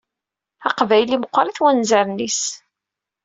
Aqbayli meqqeṛ-it wanzaren-is